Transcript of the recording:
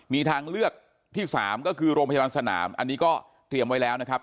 มีทางเลือกที่๓ก็คือโรงพยาบาลสนามอันนี้ก็เตรียมไว้แล้วนะครับ